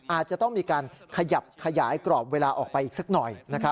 อาจจะต้องมีการขยับขยายกรอบเวลาออกไปอีกสักหน่อย